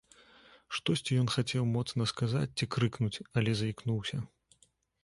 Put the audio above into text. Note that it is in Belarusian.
Штосьці ён хацеў моцна сказаць ці крыкнуць, але заікнуўся.